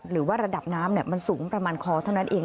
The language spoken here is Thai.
หรือว่าระดับน้ำมันสูงประมาณคอเท่านั้นเอง